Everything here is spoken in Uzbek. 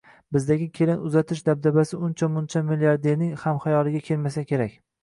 Bizdagi kelin uzatish dabdabasi uncha-muncha milliarderning ham xayoliga kelmasa kerak